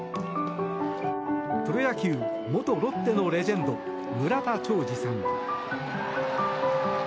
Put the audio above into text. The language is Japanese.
プロ野球、元ロッテのレジェンド村田兆治さん。